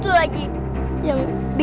kayak yang ke well